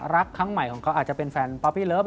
รักครั้งใหม่ของเขาอาจจะเป็นแฟนปอปพี่แรอฟ